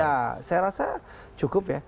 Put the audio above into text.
ya saya rasa cukup ya